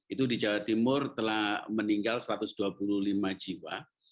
itu di jawa timur telah meninggal satu ratus dua puluh lima jiwa